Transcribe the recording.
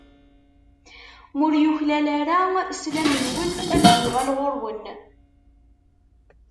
Ma ur yuklal ara, slam-nwen ad d-yuɣal ɣur-wen.